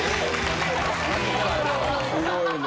すごいね。